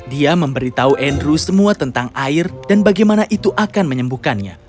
dia memberitahu andrew semua tentang air dan bagaimana itu akan menyembuhkannya